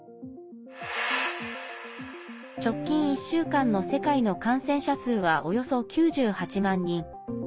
直近１週間の世界の感染者数はおよそ９８万人。